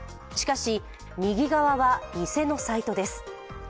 しかし、右側は偽のサイトです。